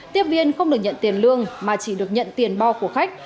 tiếp viên không được nhận tiền lương mà chỉ được nhận tiền bo của khách